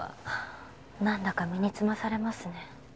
なんだか身につまされますね。